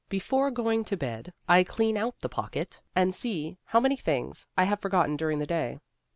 Before going to bed I clean out the pocket and see how many things I have forgotten during the day.